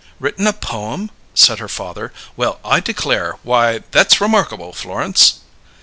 "Written a poem?" said her father. "Well, I declare! Why, that's remarkable, Florence!"